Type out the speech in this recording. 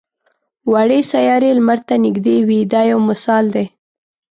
وړې سیارې لمر ته نږدې وي دا یو مثال دی.